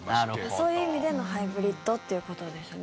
そういう意味でのハイブリッドということですね。